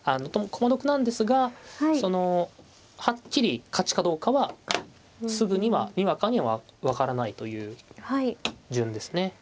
駒得なんですがそのはっきり勝ちかどうかはすぐにはにわかには分からないという順ですね。